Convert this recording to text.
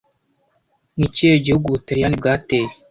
Ni ikihe gihugu Ubutaliyani bwateye